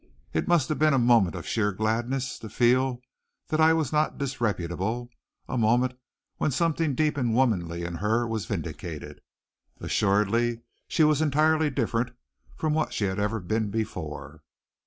It must have been a moment of sheer gladness to feel that I was not disreputable, a moment when something deep and womanly in her was vindicated. Assuredly she was entirely different from what she had ever been before.